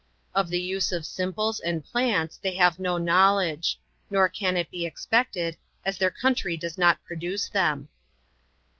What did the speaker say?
Of the use of simples and plants they have no knowledge; nor can it be expected, as their country does not produce them.